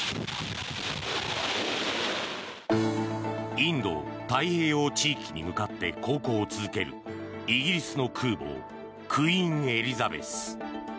インド太平洋地域に向かって航行を続けるイギリスの空母「クイーン・エリザベス」。